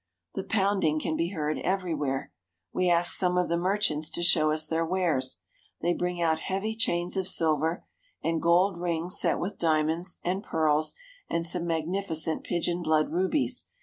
The pounding can be heard everywhere. We ask some of the merchants to show us their wares. They bring out heavy chains of silver, and gold rings set with diamonds and pearls and some magnificent pigeon blood rubies.